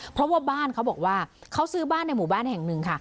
เพราะว่าบ้านเขาบอกว่าเขาซื้อบ้านในหมู่บ้านแห่งหนึ่งค่ะ